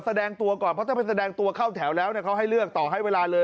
แสดงตัวก่อนเพราะถ้าไปแสดงตัวเข้าแถวแล้วเขาให้เลือกต่อให้เวลาเลย